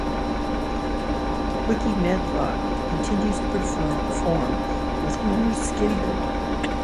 Rickey Medlocke continues to perform with Lynyrd Skynyrd.